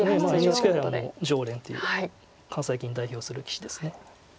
ＮＨＫ杯も常連という関西棋院代表する棋士です。